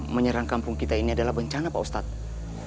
menyerang kampung kita ini adalah bencana pak ustadz